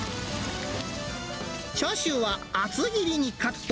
チャーシューは厚切りにカット。